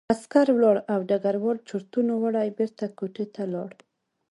عسکر لاړ او ډګروال چورتونو وړی بېرته کوټې ته لاړ